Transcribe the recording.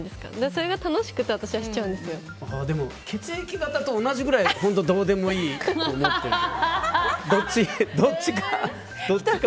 それが楽しくてでも、血液型と同じぐらいどうでもいいと思ってる。